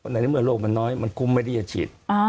ในเมื่อโรคมันน้อยมันคุ้มไม่ได้จะฉีด